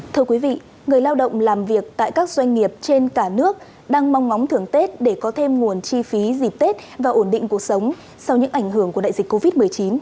thưa quý vị người lao động làm việc tại các doanh nghiệp trên cả nước đang mong ngóng thưởng tết để có thêm nguồn chi phí dịp tết và ổn định cuộc sống sau những ảnh hưởng của đại dịch covid một mươi chín